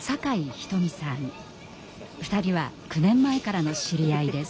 ２人は９年前からの知り合いです。